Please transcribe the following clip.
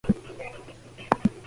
体力をつけたい。